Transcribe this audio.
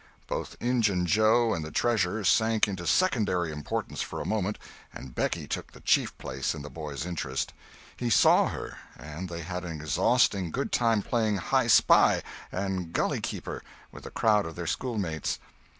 Both Injun Joe and the treasure sunk into secondary importance for a moment, and Becky took the chief place in the boy's interest. He saw her and they had an exhausting good time playing "hispy" and "gully keeper" with a crowd of their schoolmates.